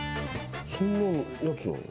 そんなやつなの？